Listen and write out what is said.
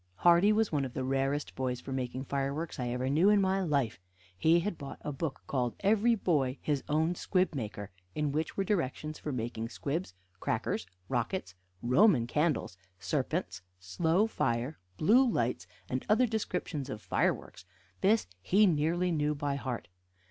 Hardy was one of the rarest boys for making fireworks I ever knew in my life. He had bought a book called "Every Boy his own Squib Maker," in which were directions for making squibs, crackers, rockets, Roman candles, serpents, slow fire, blue lights, and other descriptions of fireworks. This he nearly knew by heart.